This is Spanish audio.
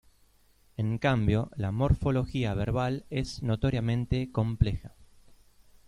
En cambio la morfología verbal es notoriamente compleja.